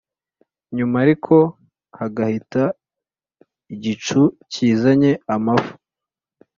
Nyuma ariko hagahita igicu kizanye amafu,